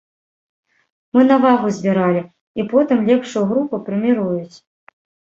Мы на вагу збіралі, і потым лепшую групу прэміруюць.